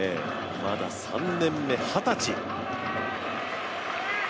まだ３年目、二十歳。